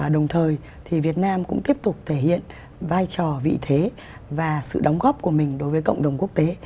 đồng thời thì việt nam cũng tiếp tục thể hiện vai trò vị thế và sự đóng góp của mình đối với cộng đồng quốc tế